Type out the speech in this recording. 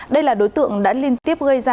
đây là đối tượng đã liên tiếp gây ra